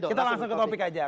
kita langsung ke topik aja